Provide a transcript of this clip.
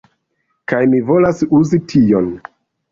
Kaj mi volas uzi tion